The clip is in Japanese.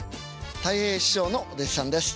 たい平師匠のお弟子さんです。